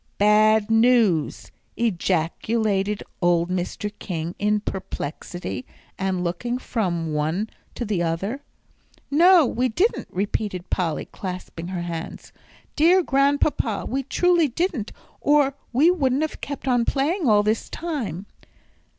"Bad news!" ejaculated old Mr. King, in perplexity, and looking from one to the other. "No, we didn't," repeated Polly, clasping her hands. "Dear Grandpapa, we truly didn't, or we wouldn't have kept on playing all this time."